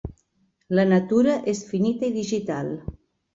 La natura és finita i digital.